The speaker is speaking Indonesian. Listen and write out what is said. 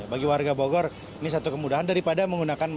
bagi warga bogor ini satu kemudahan daripada menggunakan